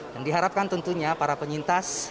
diharapkan tentunya para penyintas